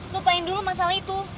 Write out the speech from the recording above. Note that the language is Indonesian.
lupain dulu masalah itu